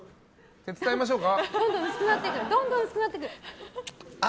手伝いましょうか？